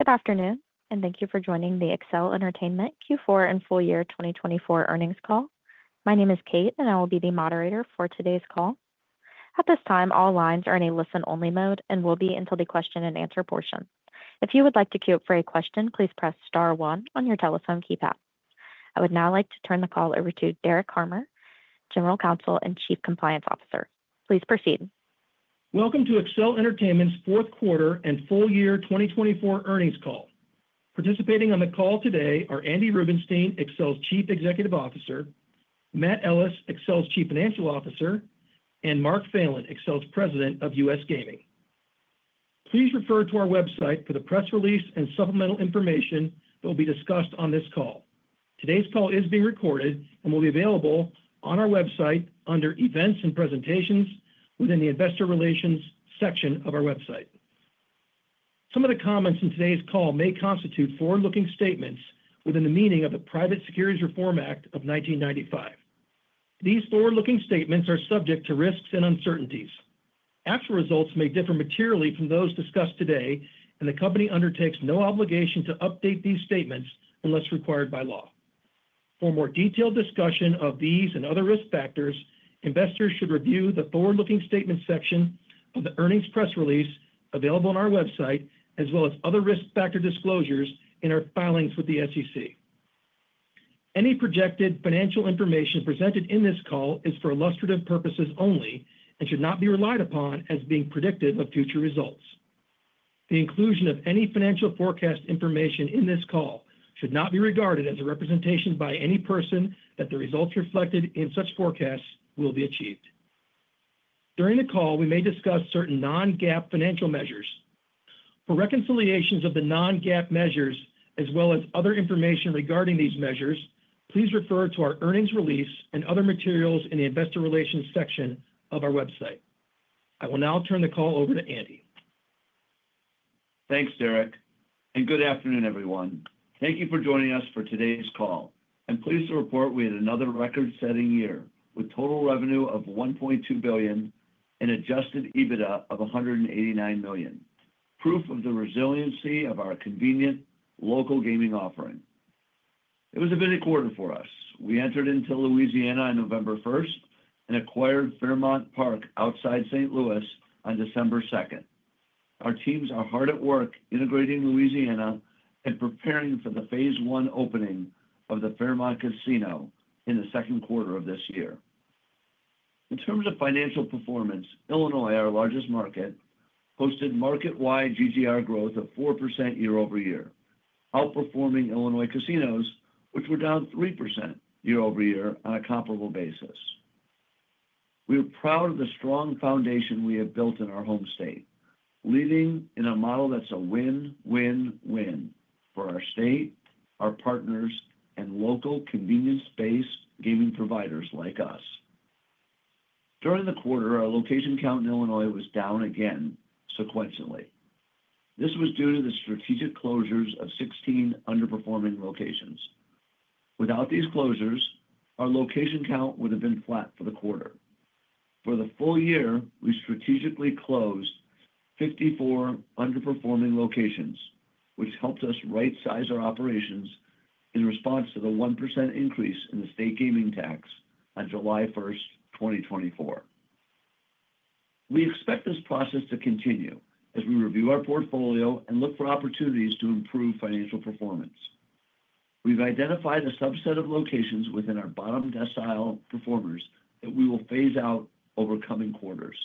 Good afternoon, and thank you for joining the Accel Entertainment Q4 and full year 2024 earnings call. My name is Kate, and I will be the moderator for today's call. At this time, all lines are in a listen-only mode and will be until the question-and-answer portion. If you would like to queue up for a question, please press star one on your telephone keypad. I would now like to turn the call over to Derek Harmer, General Counsel and Chief Compliance Officer. Please proceed. Welcome to Accel Entertainment's fourth quarter and full year 2024 earnings call. Participating on the call today are Andy Rubenstein, Accel's Chief Executive Officer; Matt Ellis, Accel's Chief Financial Officer; and Mark Phelan, Accel's President of U.S. Gaming. Please refer to our website for the press release and supplemental information that will be discussed on this call. Today's call is being recorded and will be available on our website under Events and Presentations within the Investor Relations section of our website. Some of the comments in today's call may constitute forward-looking statements within the meaning of the Private Securities Reform Act of 1995. These forward-looking statements are subject to risks and uncertainties. Actual results may differ materially from those discussed today, and the company undertakes no obligation to update these statements unless required by law. For more detailed discussion of these and other risk factors, investors should review the forward-looking statements section of the earnings press release available on our website, as well as other risk factor disclosures in our filings with the SEC. Any projected financial information presented in this call is for illustrative purposes only and should not be relied upon as being predictive of future results. The inclusion of any financial forecast information in this call should not be regarded as a representation by any person that the results reflected in such forecasts will be achieved. During the call, we may discuss certain non-GAAP financial measures. For reconciliations of the non-GAAP measures, as well as other information regarding these measures, please refer to our earnings release and other materials in the Investor Relations section of our website. I will now turn the call over to Andy. Thanks, Derek, and good afternoon, everyone. Thank you for joining us for today's call. I'm pleased to report we had another record-setting year with total revenue of $1.2 billion and adjusted EBITDA of $189 million, proof of the resiliency of our convenient local gaming offering. It was a busy quarter for us. We entered into Louisiana on November 1st and acquired Fairmont Park outside St. Louis on December 2nd. Our teams are hard at work integrating Louisiana and preparing for the phase I opening of the Fairmont Casino in the second quarter of this year. In terms of financial performance, Illinois, our largest market, posted market-wide GGR growth of 4% year-over-year, outperforming Illinois casinos, which were down 3% year-over-year on a comparable basis. We are proud of the strong foundation we have built in our home state, leading in a model that's a win, win, win for our state, our partners, and local convenience-based gaming providers like us. During the quarter, our location count in Illinois was down again sequentially. This was due to the strategic closures of 16 underperforming locations. Without these closures, our location count would have been flat for the quarter. For the full year, we strategically closed 54 underperforming locations, which helped us right-size our operations in response to the 1% increase in the state gaming tax on July 1st, 2024. We expect this process to continue as we review our portfolio and look for opportunities to improve financial performance. We've identified a subset of locations within our bottom decile performers that we will phase out over coming quarters.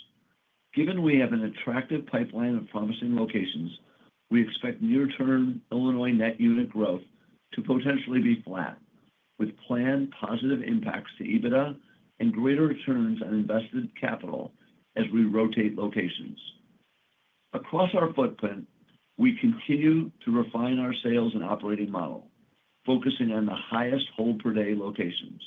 Given we have an attractive pipeline of promising locations, we expect near-term Illinois net unit growth to potentially be flat, with planned positive impacts to EBITDA and greater returns on invested capital as we rotate locations. Across our footprint, we continue to refine our sales and operating model, focusing on the highest hold-per-day locations.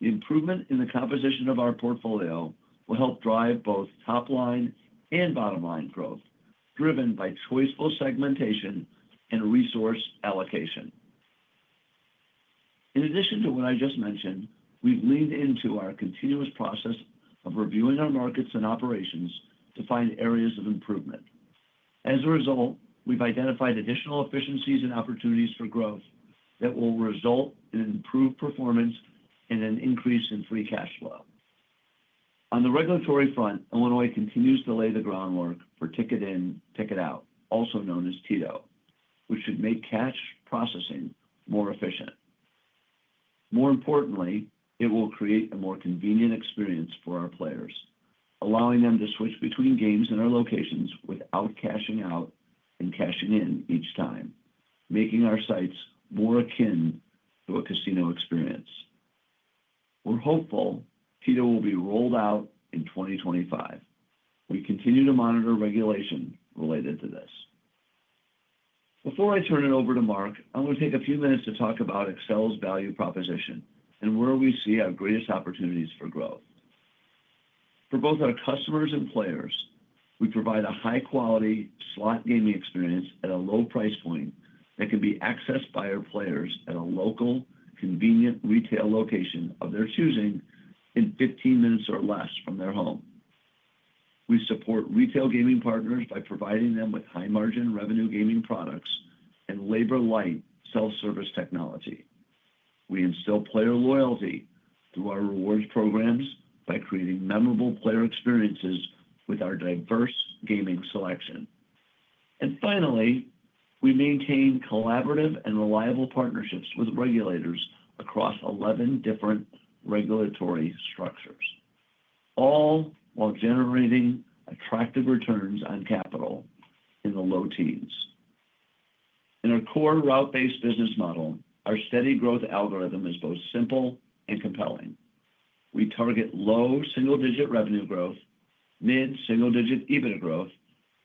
The improvement in the composition of our portfolio will help drive both top-line and bottom-line growth, driven by choiceful segmentation and resource allocation. In addition to what I just mentioned, we've leaned into our continuous process of reviewing our markets and operations to find areas of improvement. As a result, we've identified additional efficiencies and opportunities for growth that will result in improved performance and an increase in free cash flow. On the regulatory front, Illinois continues to lay the groundwork for ticket in, ticket out, also known as TITO, which should make cash processing more efficient. More importantly, it will create a more convenient experience for our players, allowing them to switch between games in our locations without cashing out and cashing in each time, making our sites more akin to a casino experience. We're hopeful TITO will be rolled out in 2025. We continue to monitor regulation related to this. Before I turn it over to Mark, I'm going to take a few minutes to talk about Accel's value proposition and where we see our greatest opportunities for growth. For both our customers and players, we provide a high-quality slot gaming experience at a low price point that can be accessed by our players at a local, convenient retail location of their choosing in 15 minutes or less from their home. We support retail gaming partners by providing them with high-margin revenue gaming products and labor-light self-service technology. We instill player loyalty through our rewards programs by creating memorable player experiences with our diverse gaming selection. Finally, we maintain collaborative and reliable partnerships with regulators across 11 different regulatory structures, all while generating attractive returns on capital in the low teens. In our core route-based business model, our steady growth algorithm is both simple and compelling. We target low single-digit revenue growth, mid-single-digit EBITDA growth,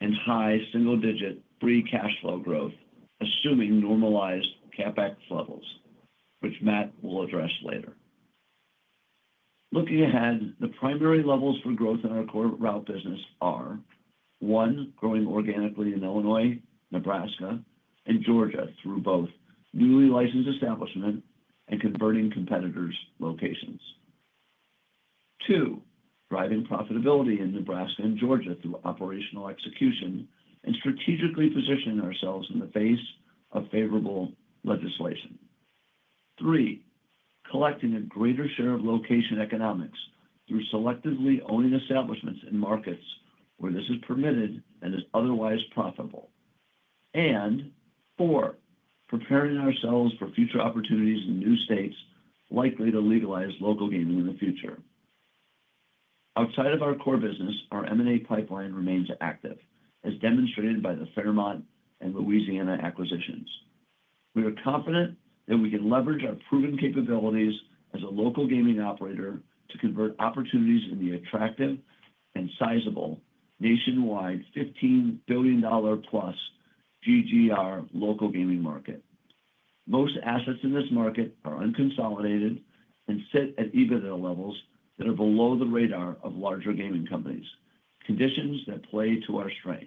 and high single-digit free cash flow growth, assuming normalized CapEx levels, which Matt will address later. Looking ahead, the primary levels for growth in our core route business are: one, growing organically in Illinois, Nebraska, and Georgia through both newly licensed establishments and converting competitors' locations; two, driving profitability in Nebraska and Georgia through operational execution and strategically positioning ourselves in the face of favorable legislation; three, collecting a greater share of location economics through selectively owning establishments in markets where this is permitted and is otherwise profitable; and four, preparing ourselves for future opportunities in new states likely to legalize local gaming in the future. Outside of our core business, our M&A pipeline remains active, as demonstrated by the Fairmont and Louisiana acquisitions. We are confident that we can leverage our proven capabilities as a local gaming operator to convert opportunities in the attractive and sizable nationwide $15 billion+ GGR local gaming market. Most assets in this market are unconsolidated and sit at EBITDA levels that are below the radar of larger gaming companies, conditions that play to our strengths.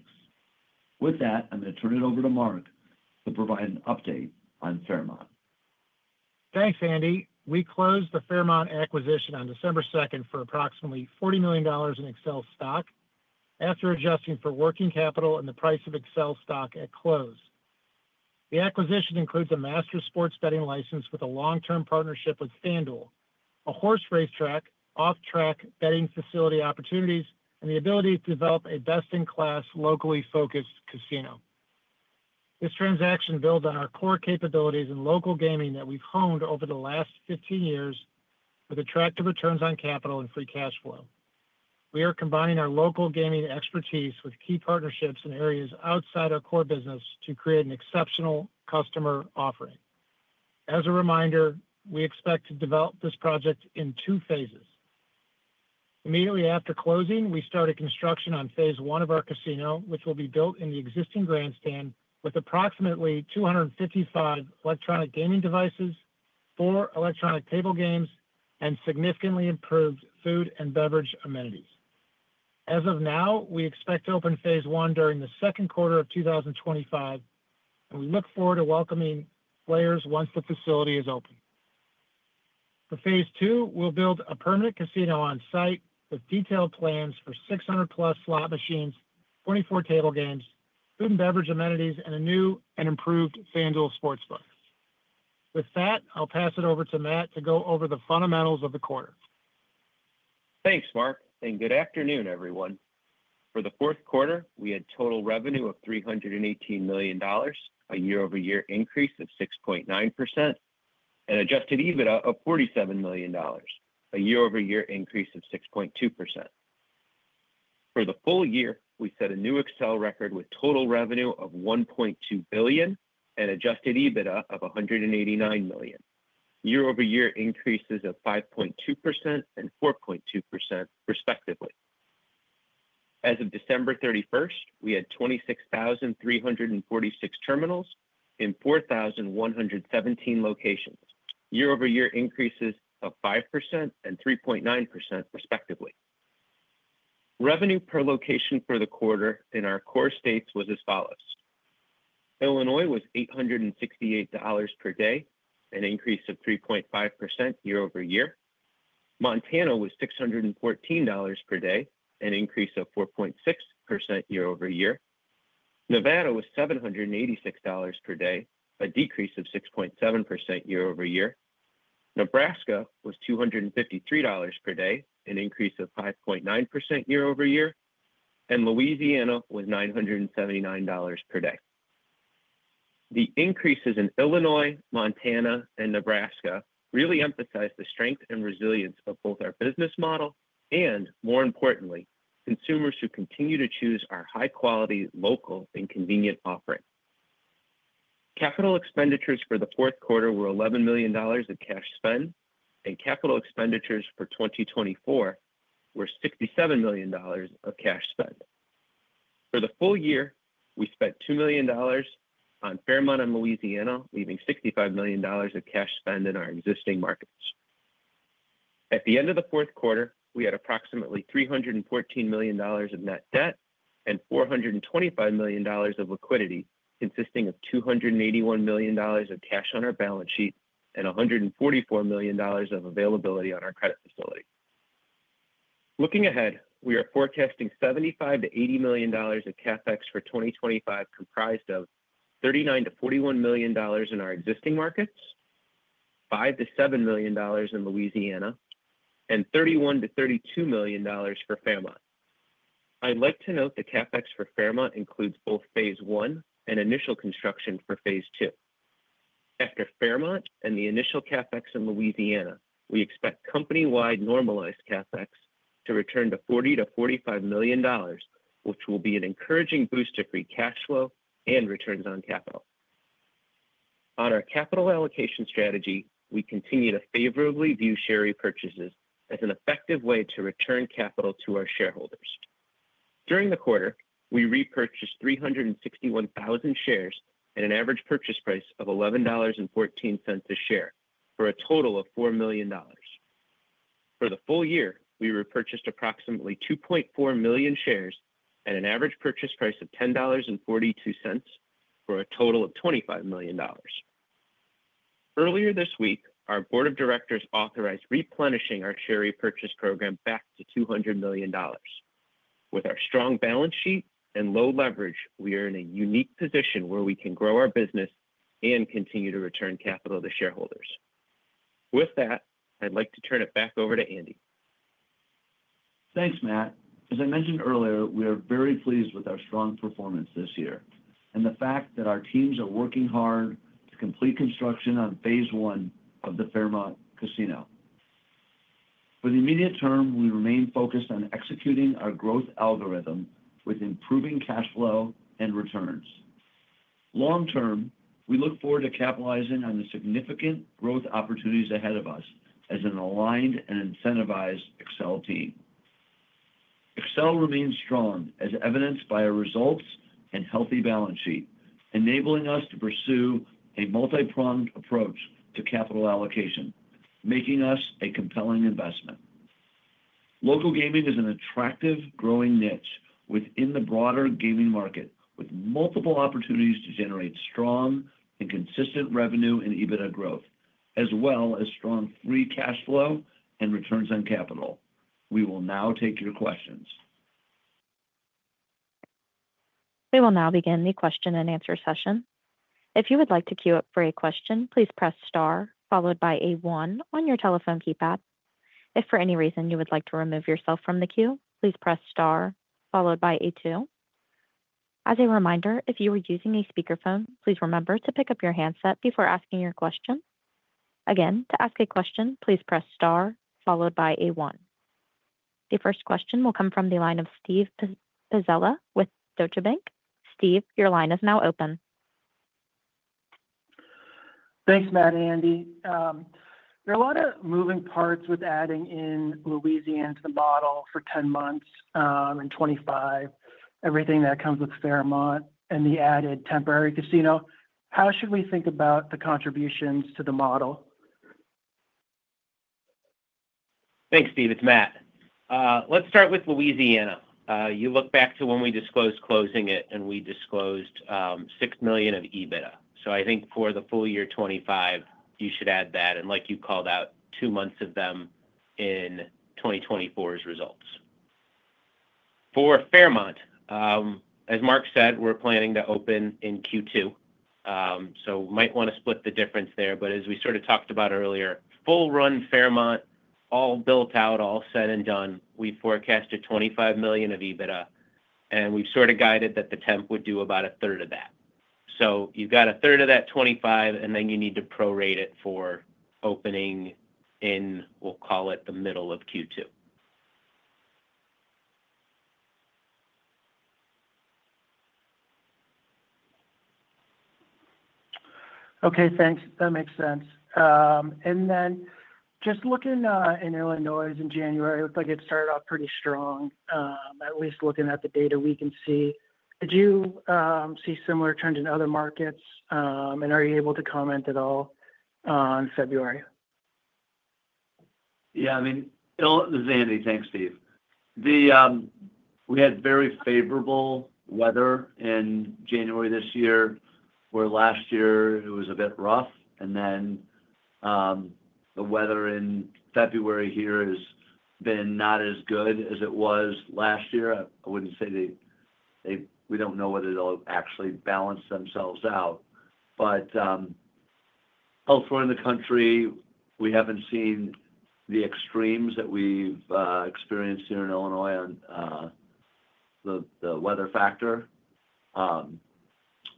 With that, I'm going to turn it over to Mark to provide an update on Fairmont. Thanks, Andy. We closed the Fairmont acquisition on December 2nd for approximately $40 million in Accel stock after adjusting for working capital and the price of Accel stock at close. The acquisition includes a master sports betting license with a long-term partnership with FanDuel, a horse racetrack, off-track betting facility opportunities, and the ability to develop a best-in-class, locally focused casino. This transaction builds on our core capabilities in local gaming that we've honed over the last 15 years with attractive returns on capital and free cash flow. We are combining our local gaming expertise with key partnerships in areas outside our core business to create an exceptional customer offering. As a reminder, we expect to develop this project in two phases. Immediately after closing, we started construction on phase I of our casino, which will be built in the existing grandstand with approximately 255 electronic gaming devices, four electronic table games, and significantly improved food and beverage amenities. As of now, we expect to open phase I during the second quarter of 2025, and we look forward to welcoming players once the facility is open. For phase II, we'll build a permanent casino on site with detailed plans for 600+ slot machines, 24 table games, food and beverage amenities, and a new and improved FanDuel sports bar. With that, I'll pass it over to Matt to go over the fundamentals of the quarter. Thanks, Mark, and good afternoon, everyone. For the fourth quarter, we had total revenue of $318 million, a year-over-year increase of 6.9%, and adjusted EBITDA of $47 million, a year-over-year increase of 6.2%. For the full year, we set a new Accel record with total revenue of $1.2 billion and adjusted EBITDA of $189 million, year-over-year increases of 5.2% and 4.2%, respectively. As of December 31st, we had 26,346 terminals in 4,117 locations, year-over-year increases of 5% and 3.9%, respectively. Revenue per location for the quarter in our core states was as follows: Illinois was $868 per day, an increase of 3.5% year-over-year; Montana was $614 per day, an increase of 4.6% year-over-year; Nevada was $786 per day, a decrease of 6.7% year-over-year; Nebraska was $253 per day, an increase of 5.9% year-over-year; and Louisiana was $979 per day. The increases in Illinois, Montana, and Nebraska really emphasized the strength and resilience of both our business model and, more importantly, consumers who continue to choose our high-quality, local, and convenient offering. Capital expenditures for the fourth quarter were $11 million of cash spend, and capital expenditures for 2024 were $67 million of cash spend. For the full year, we spent $2 million on Fairmont and Louisiana, leaving $65 million of cash spend in our existing markets. At the end of the fourth quarter, we had approximately $314 million of net debt and $425 million of liquidity, consisting of $281 million of cash on our balance sheet and $144 million of availability on our credit facility. Looking ahead, we are forecasting $75 million-$80 million of CapEx for 2025, comprised of $39 million-$41 million in our existing markets, $5 million-$7 million in Louisiana, and $31 million-$32 million for Fairmont. I'd like to note the CapEx for Fairmont includes both phase I and initial construction for phase II. After Fairmont and the initial CapEx in Louisiana, we expect company-wide normalized CapEx to return to $40 million-$45 million, which will be an encouraging boost to free cash flow and returns on capital. On our capital allocation strategy, we continue to favorably view share repurchases as an effective way to return capital to our shareholders. During the quarter, we repurchased 361,000 shares at an average purchase price of $11.14 a share for a total of $4 million. For the full year, we repurchased approximately 2.4 million shares at an average purchase price of $10.42 for a total of $25 million. Earlier this week, our board of directors authorized replenishing our share repurchase program back to $200 million. With our strong balance sheet and low leverage, we are in a unique position where we can grow our business and continue to return capital to shareholders. With that, I'd like to turn it back over to Andy. Thanks, Matt. As I mentioned earlier, we are very pleased with our strong performance this year and the fact that our teams are working hard to complete construction on phase one of the Fairmont casino. For the immediate term, we remain focused on executing our growth algorithm with improving cash flow and returns. Long term, we look forward to capitalizing on the significant growth opportunities ahead of us as an aligned and incentivized Accel team. Accel remains strong, as evidenced by our results and healthy balance sheet, enabling us to pursue a multi-pronged approach to capital allocation, making us a compelling investment. Local gaming is an attractive growing niche within the broader gaming market, with multiple opportunities to generate strong and consistent revenue and EBITDA growth, as well as strong free cash flow and returns on capital. We will now take your questions. We will now begin the question and answer session. If you would like to queue up for a question, please press star, followed by a one on your telephone keypad. If for any reason you would like to remove yourself from the queue, please press star, followed by a two. As a reminder, if you are using a speakerphone, please remember to pick up your handset before asking your question. Again, to ask a question, please press star, followed by a one. The first question will come from the line of Steve Pizzella with Deutsche Bank. Steve, your line is now open. Thanks, Matt and Andy. There are a lot of moving parts with adding in Louisiana to the model for 10 months in 2025, everything that comes with Fairmont and the added temporary casino. How should we think about the contributions to the model? Thanks, Steve. It's Matt. Let's start with Louisiana. You look back to when we disclosed closing it, and we disclosed $6 million of EBITDA. I think for the full year, 2025, you should add that. Like you called out, two months of them in 2024's results. For Fairmont, as Mark said, we're planning to open in Q2. We might want to split the difference there. As we sort of talked about earlier, full-run Fairmont, all built out, all said and done, we forecasted $25 million of EBITDA, and we've sort of guided that the temp would do about a third of that. You've got a third of that $25 million, and then you need to prorate it for opening in, we'll call it, the middle of Q2. Okay, thanks. That makes sense. Just looking in Illinois in January, it looked like it started off pretty strong, at least looking at the data we can see. Did you see similar trends in other markets? Are you able to comment at all on February? Yeah, I mean, it's Andy. Thanks, Steve. We had very favorable weather in January this year, where last year it was a bit rough. The weather in February here has been not as good as it was last year. I wouldn't say we don't know whether they'll actually balance themselves out. Elsewhere in the country, we haven't seen the extremes that we've experienced here in Illinois on the weather factor.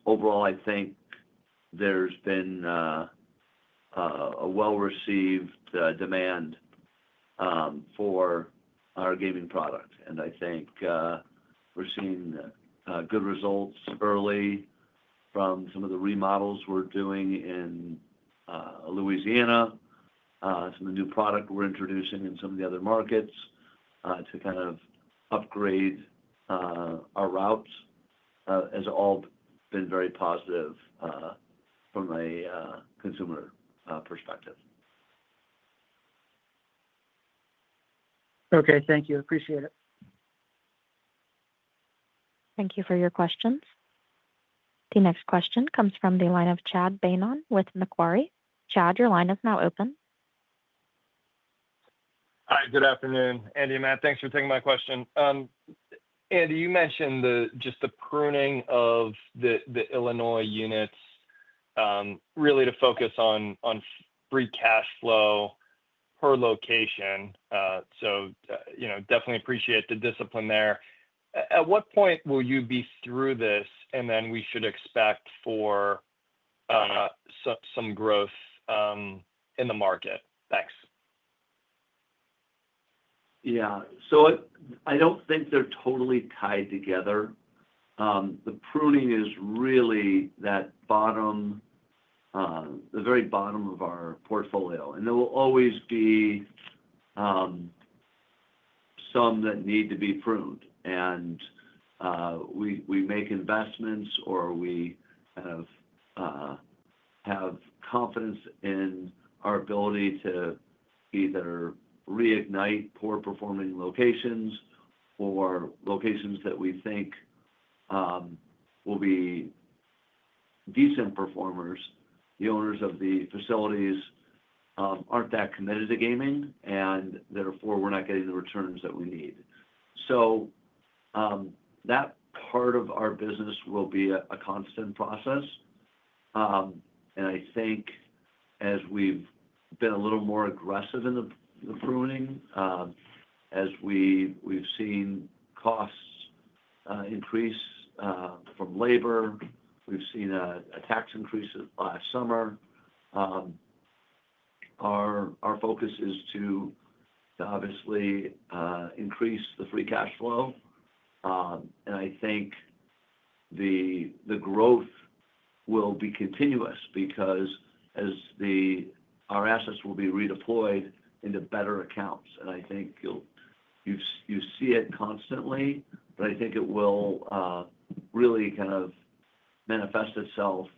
Overall, I think there's been a well-received demand for our gaming product. I think we're seeing good results early from some of the remodels we're doing in Louisiana, some of the new product we're introducing in some of the other markets to kind of upgrade our routes. It's all been very positive from a consumer perspective. Okay, thank you. Appreciate it. Thank you for your questions. The next question comes from the line of Chad Beynon with Macquarie. Chad, your line is now open. Hi, good afternoon. Andy and Matt, thanks for taking my question. Andy, you mentioned just the pruning of the Illinois units, really to focus on free cash flow per location. I definitely appreciate the discipline there. At what point will you be through this, and then we should expect for some growth in the market? Thanks. Yeah. I do not think they are totally tied together. The pruning is really the very bottom of our portfolio. There will always be some that need to be pruned. We make investments, or we kind of have confidence in our ability to either reignite poor-performing locations or locations that we think will be decent performers. The owners of the facilities are not that committed to gaming, and therefore we are not getting the returns that we need. That part of our business will be a constant process. I think as we have been a little more aggressive in the pruning, as we have seen costs increase from labor, we have seen a tax increase last summer, our focus is to obviously increase the free cash flow. I think the growth will be continuous because our assets will be redeployed into better accounts. I think you see it constantly, but I think it will really kind of manifest itself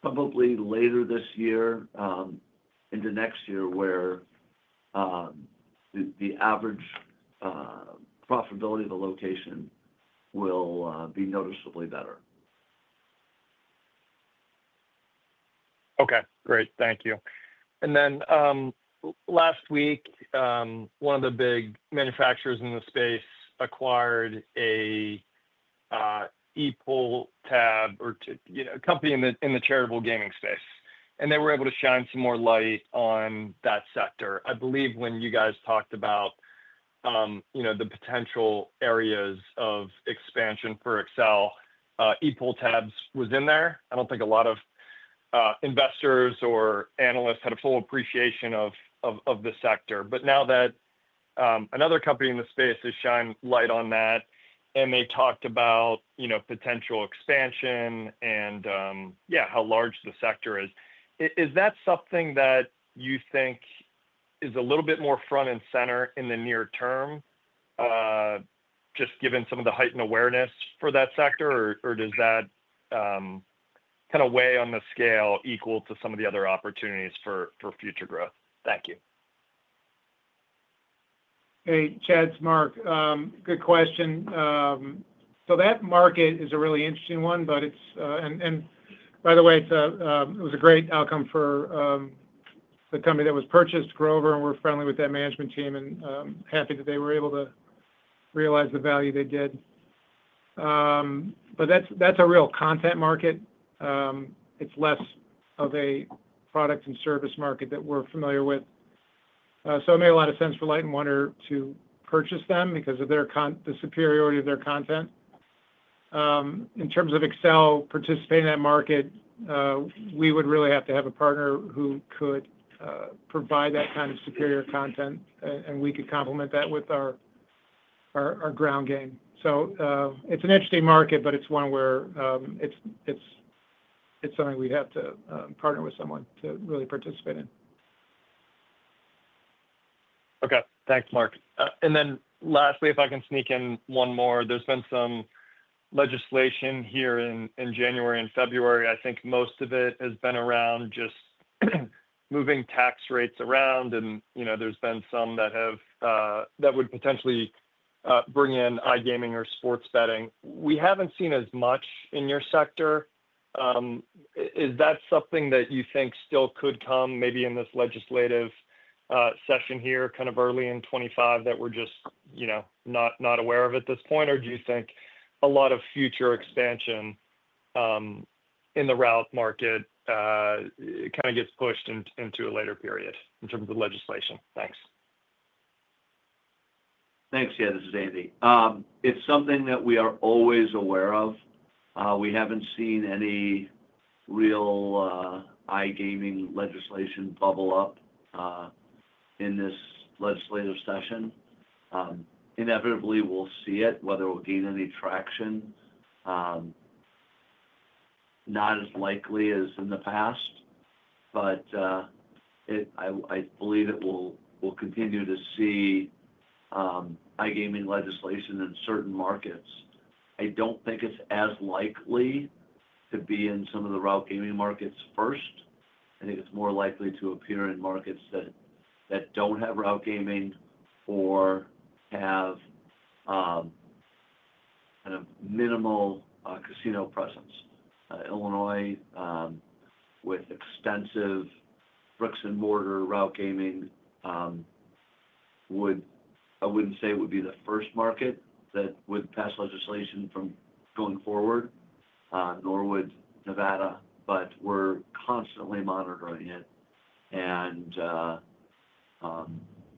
probably later this year, into next year, where the average profitability of a location will be noticeably better. Okay, great. Thank you. Last week, one of the big manufacturers in the space acquired an E-Pull tab company in the charitable gaming space. They were able to shine some more light on that sector. I believe when you guys talked about the potential areas of expansion for Accel, E-Pull tabs was in there. I do not think a lot of investors or analysts had a full appreciation of the sector. Now that another company in the space has shined light on that, and they talked about potential expansion and, yeah, how large the sector is, is that something that you think is a little bit more front and center in the near term, just given some of the heightened awareness for that sector? Does that kind of weigh on the scale equal to some of the other opportunities for future growth? Thank you. Hey, Chad, Mark, good question. That market is a really interesting one. By the way, it was a great outcome for the company that was purchased, Grover. We are friendly with that management team and happy that they were able to realize the value they did. That is a real content market. It is less of a product and service market that we are familiar with. It made a lot of sense for Light & Wonder to purchase them because of the superiority of their content. In terms of Accel participating in that market, we would really have to have a partner who could provide that kind of superior content, and we could complement that with our ground game. It is an interesting market, but it is one where we would have to partner with someone to really participate in. Okay, thanks, Mark. Lastly, if I can sneak in one more, there's been some legislation here in January and February. I think most of it has been around just moving tax rates around. There's been some that would potentially bring in iGaming or sports betting. We haven't seen as much in your sector. Is that something that you think still could come maybe in this legislative session here, kind of early in 2025, that we're just not aware of at this point? Do you think a lot of future expansion in the route market kind of gets pushed into a later period in terms of legislation? Thanks. Thanks. Yeah, this is Andy. It's something that we are always aware of. We haven't seen any real iGaming legislation bubble up in this legislative session. Inevitably, we'll see it, whether we'll gain any traction. Not as likely as in the past, but I believe it will continue to see iGaming legislation in certain markets. I don't think it's as likely to be in some of the route gaming markets first. I think it's more likely to appear in markets that don't have route gaming or have kind of minimal casino presence. Illinois, with extensive bricks-and-mortar route gaming, I wouldn't say it would be the first market that would pass legislation going forward, nor would Nevada. We're constantly monitoring it.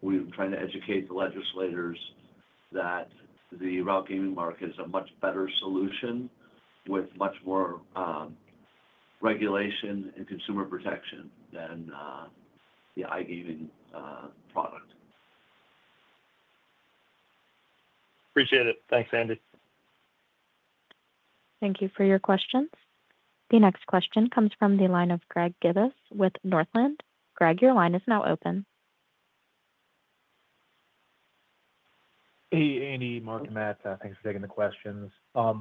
We're trying to educate the legislators that the route gaming market is a much better solution with much more regulation and consumer protection than the iGaming product. Appreciate it. Thanks, Andy. Thank you for your questions. The next question comes from the line of Greg Gibas with Northland. Greg, your line is now open. Hey, Andy, Mark, and Matt. Thanks for taking the questions. I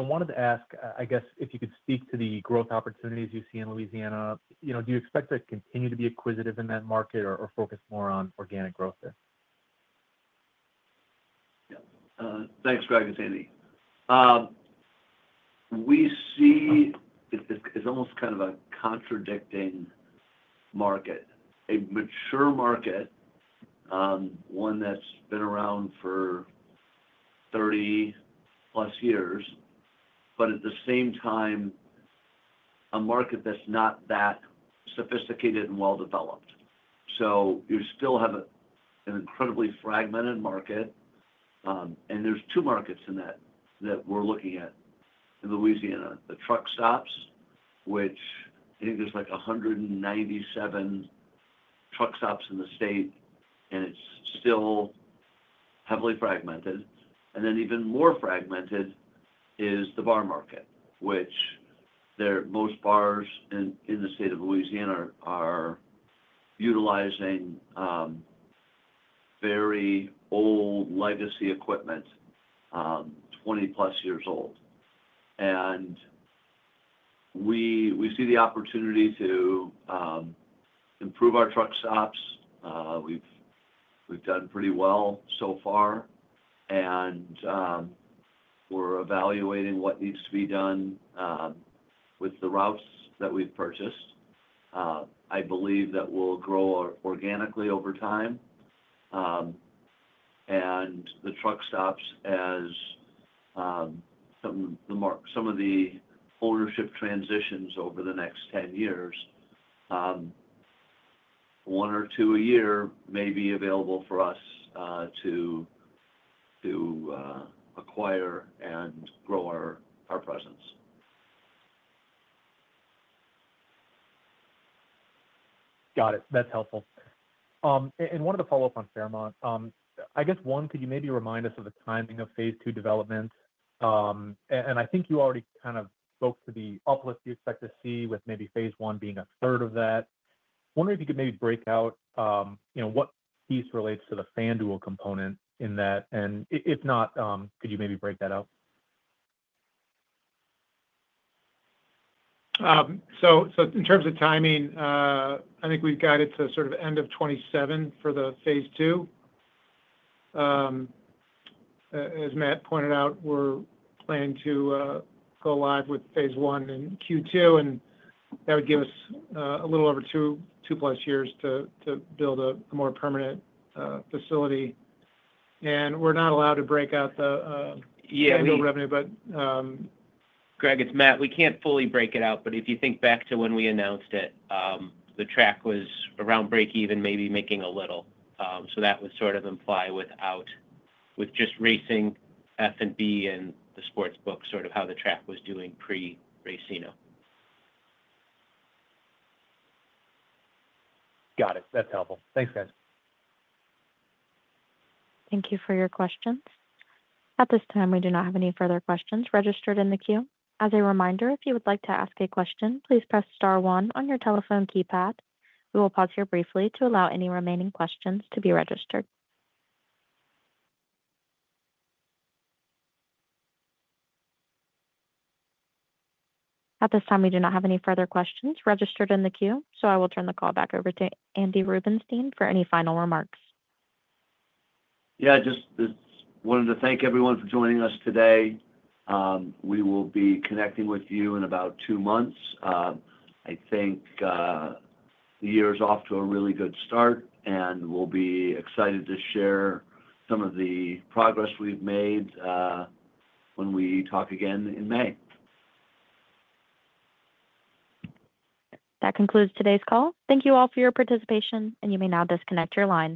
wanted to ask, I guess, if you could speak to the growth opportunities you see in Louisiana. Do you expect to continue to be acquisitive in that market or focus more on organic growth there? Thanks, Greg. It's Andy. We see it's almost kind of a contradicting market, a mature market, one that's been around for 30+ years, but at the same time, a market that's not that sophisticated and well-developed. You still have an incredibly fragmented market. There are two markets in that that we're looking at in Louisiana. The truck stops, which I think there's like 197 truck stops in the state, and it's still heavily fragmented. Even more fragmented is the bar market, which most bars in the state of Louisiana are utilizing very old legacy equipment, 20+ years old. We see the opportunity to improve our truck stops. We've done pretty well so far. We're evaluating what needs to be done with the routes that we've purchased. I believe that we'll grow organically over time. The truck stops, as some of the ownership transitions over the next 10 years, one or two a year may be available for us to acquire and grow our presence. Got it. That's helpful. One of the follow-ups on Fairmont, I guess, one, could you maybe remind us of the timing of phase two development? I think you already kind of spoke to the uplift you expect to see with maybe phase I being a third of that. I wonder if you could maybe break out what piece relates to the FanDuel component in that. If not, could you maybe break that out? In terms of timing, I think we've got it to sort of end of 2027 for the phase II. As Matt pointed out, we're planning to go live with phase I in Q2. That would give us a little over 2+ years to build a more permanent facility. We're not allowed to break out the annual revenue, but. Greg, it's Matt. We can't fully break it out. If you think back to when we announced it, the track was around break-even, maybe making a little. That would sort of imply without just racing, F&B, and the sports book, sort of how the track was doing pre-Racino. Got it. That's helpful. Thanks, guys. Thank you for your questions. At this time, we do not have any further questions registered in the queue. As a reminder, if you would like to ask a question, please press star one on your telephone keypad. We will pause here briefly to allow any remaining questions to be registered. At this time, we do not have any further questions registered in the queue. I will turn the call back over to Andy Rubenstein for any final remarks. Yeah, just wanted to thank everyone for joining us today. We will be connecting with you in about two months. I think the year is off to a really good start. We will be excited to share some of the progress we've made when we talk again in May. That concludes today's call. Thank you all for your participation. You may now disconnect your line.